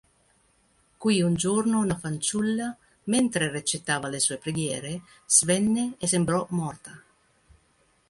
Qui un giorno una fanciulla, mentre recitava le sue preghiere, svenne e sembrò morta.